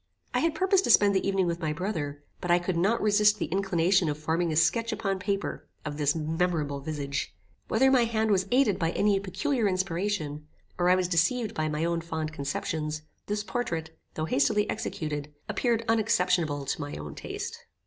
I had purposed to spend the evening with my brother, but I could not resist the inclination of forming a sketch upon paper of this memorable visage. Whether my hand was aided by any peculiar inspiration, or I was deceived by my own fond conceptions, this portrait, though hastily executed, appeared unexceptionable to my own taste.